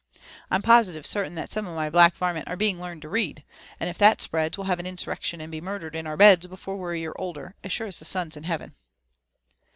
I'm positive certain that some of my black varment are being learned to read; and if that spreads, we'll have an insurrection and be murdered in our beds J>efore we're a year older, as sure as tlie sun's in heaven."